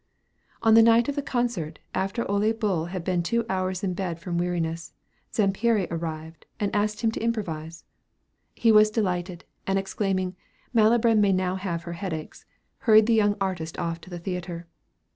On the night of the concert, after Ole Bull had been two hours in bed from weariness, Zampieri appeared, and asked him to improvise. He was delighted, and exclaiming, "Malibran may now have her headaches," hurried the young artist off to the theatre.